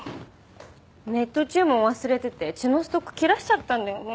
ネット注文忘れてて血のストック切らしちゃったんだよね。